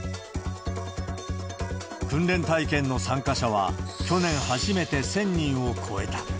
訓練体験の参加者は、去年、初めて１０００人を超えた。